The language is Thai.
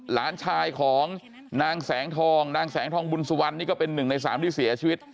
หลานชายของนางแสงทองนางแสงทองบุญสุวรรณนี่ก็เป็นหนึ่งในสามที่เสียชีวิต